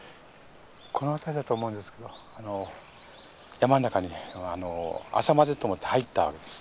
この辺りだと思うんですけど山の中に朝までと思って入ったわけです。